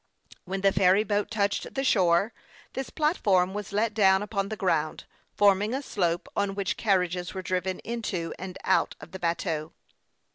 When the ferry boat touched the shore, this platform was let down upon the ground, forming a slope on which carriages were driven into and out of the bateau.